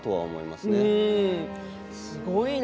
すごいな。